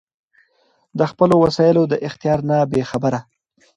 د خپلــــــو وسائیلـــــــو د اختیار نه بې خبره